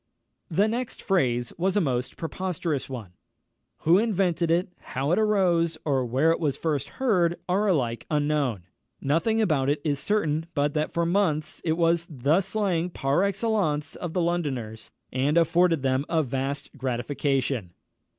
The next phrase was a most preposterous one. Who invented it, how it arose, or where it was first heard, are alike unknown. Nothing about it is certain, but that for months it was the slang par excellence of the Londoners, and afforded them a vast gratification.